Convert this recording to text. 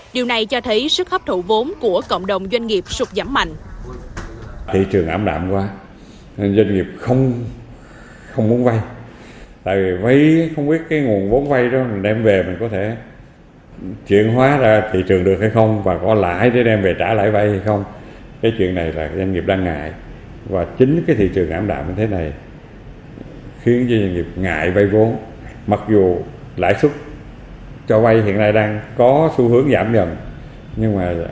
điều này cho thấy sức hấp thụ vốn của cộng đồng doanh nghiệp sụt giảm mạnh